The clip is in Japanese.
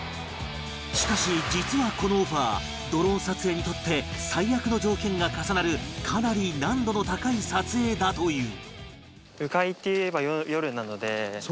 しかし実はこのオファードローン撮影にとって最悪の条件が重なるかなり難度の高い撮影だという